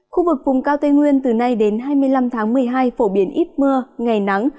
khu vực vùng cao tây nguyên từ nay đến hai mươi năm tháng một mươi hai phổ biến ít mưa ngày nắng